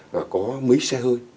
và có mấy xe hơi